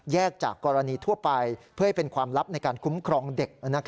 จากกรณีทั่วไปเพื่อให้เป็นความลับในการคุ้มครองเด็ก